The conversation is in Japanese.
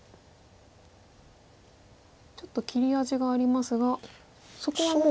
ちょっと切り味がありますがそこはもう。